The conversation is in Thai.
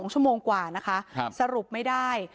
๒ชั่วโมงกว่านะคะสรุปไม่ได้